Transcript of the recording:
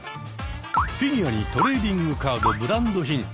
フィギュアにトレーディングカードブランド品。